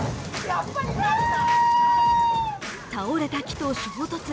倒れた木と衝突。